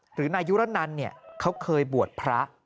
หรือในอายุรนันต์เขาเคยบวชพระ